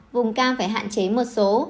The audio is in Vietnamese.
vùng cam phải hạn chế một số